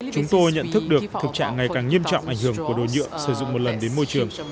chúng tôi nhận thức được thực trạng ngày càng nghiêm trọng ảnh hưởng của đồ nhựa sử dụng một lần đến môi trường